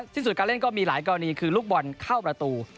ที่สุดการเล่นก็มีหลายกรณีคือลูกบอลเข้าประตู